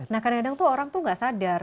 nah kadang kadang tuh orang tuh gak sadar